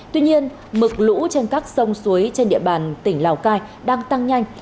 tuy nhiên mực lũ trên các sông suối trên địa bàn tỉnh lào cai đang tăng nhanh